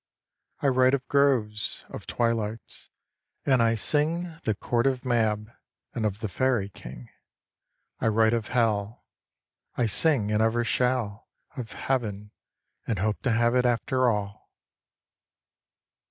I write of groves, of twilights, and I sing The court of Mab, and of the Fairy King. I write of Hell; I sing, and ever shall Of Heaven, and hope to have it after all.